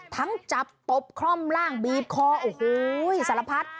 จับตบคล่อมล่างบีบคอโอ้โหสารพัด